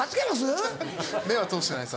目は通してないです。